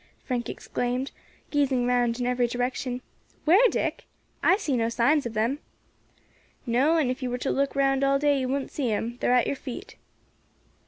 Frank exclaimed, gazing round in every direction. "Where, Dick? I see no signs of them." "No, and if you were to look round all day you wouldn't see 'em; they are at your feet."